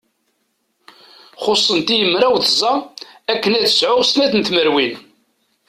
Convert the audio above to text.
Xussen-iyi mraw d tẓa akken ad sɛuɣ snat tmerwin.